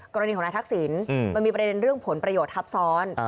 กรณีของนายทักษิณมันมีประเด็นเรื่องผลประโยชน์ทับซ้อน